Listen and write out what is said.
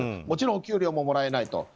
もちろんお給料ももらえないと。